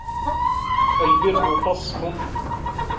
الْبِرُّ فَصْلٌ